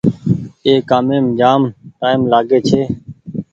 اي ڪآميم جآم ٽآئيم لآگي ڇي۔